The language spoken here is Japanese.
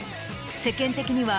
世間的には。